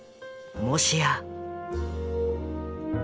もしや。